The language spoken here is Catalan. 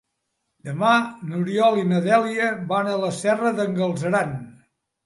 Demà n'Oriol i na Dèlia van a la Serra d'en Galceran.